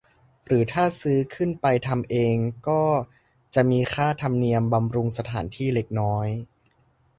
หรือถ้าซื้อขึ้นไปทำเองก็จะมีค่าธรรมเนียมบำรุงสถานที่เล็กน้อย